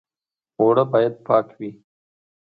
اوړه باید پاک وي